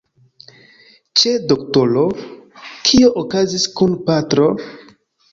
Ĉe doktoro? Kio okazis kun patro?